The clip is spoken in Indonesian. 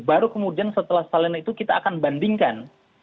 baru kemudian setelah salinan itu kita akan bandingkan